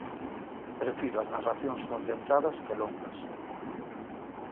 Prefiro as narracións concentradas que longas.